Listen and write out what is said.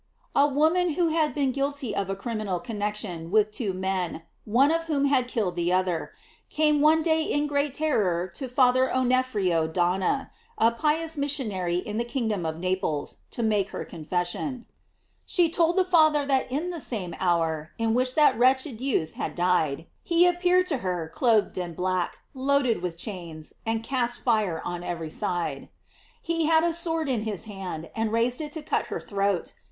— A woman who had been guilty of a crim inal connection with two young men, one of * Ann. Marian. 1505. t Bonif. Hist. Virg. «. 6. 682 GLOIilES OF MARY. whom had killed the other, came one day IB great terror to Father Onefrio d'Anna, a pious missionary in the kingdom of Naples, to make her confession. She told the Father that in the same hour in which that wretched youth had died, he appeared to her, clothed in black, load ed with chains, and cast fire on every side. He had a sword in his hand, and raised it to cut her throat.